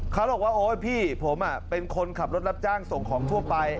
เขาบอกว่าโอ๊ยพี่ผมเป็นคนขับรถรับจ้างส่งของทั่วไป